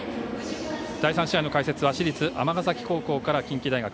第３試合の解説は市立尼崎高校から近畿大学